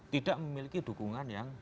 tidak memiliki dukungan yang